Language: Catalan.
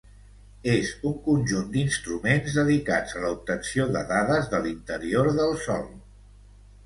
És un conjunt d'instruments dedicats a l'obtenció de dades de l'interior del Sol.